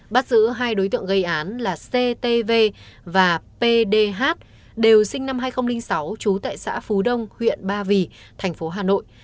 bắt giữ hai đối tượng gây án là ctv và pdh đều sinh năm hai nghìn sáu trú tại xã phú đông huyện ba vì thành phố hà nội